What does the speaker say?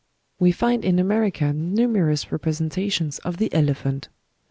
We find in America numerous representations of the elephant.